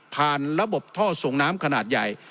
ระบบท่อส่งน้ำขนาดใหญ่